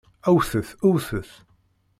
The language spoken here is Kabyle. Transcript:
Wwtet! Wwtet!